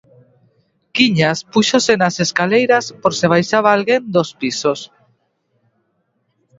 Kiñas púxose nas escaleiras por se baixaba alguén dos pisos.